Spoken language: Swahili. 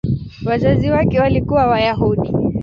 Wazazi wake walikuwa Wayahudi.